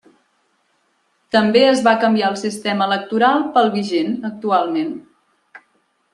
També es va canviar el sistema electoral pel vigent actualment.